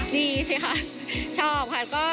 ดีสิคะชอบค่ะ